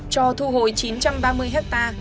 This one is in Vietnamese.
cho thu hồi chín trăm ba mươi ha